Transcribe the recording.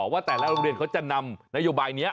ว่าแต่ละโรงเรียนเขาจะนำนโยบายนี้